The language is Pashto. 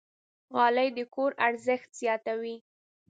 غالۍ د کور ارزښت زیاتوي.